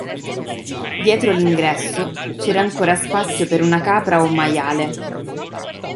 Dietro l'ingresso c'era ancora spazio per una capra o un maiale.